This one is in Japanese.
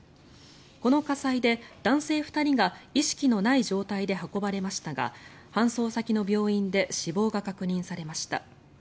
この火災で男性２人が意識のない状態で運ばれましたが搬送先の病院で死亡が確認されました。